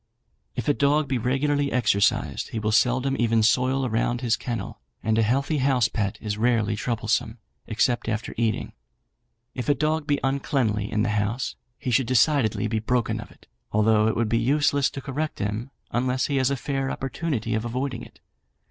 "If a dog be regularly exercised he will seldom even soil around his kennel, and a healthy house pet is rarely troublesome, except after eating. If a dog be uncleanly in the house, he should decidedly be broken of it, although it would be useless to correct him unless he has a fair opportunity of avoiding it.